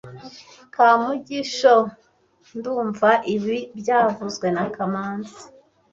Kamugi shoUldumva ibi byavuzwe na kamanzi